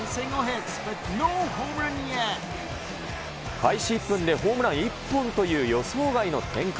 開始１分でホームラン１本という予想外の展開。